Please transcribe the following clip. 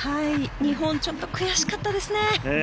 日本はちょっと悔しかったですね。